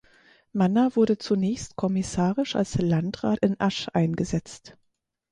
Manner wurde zunächst kommissarisch als Landrat in Asch eingesetzt.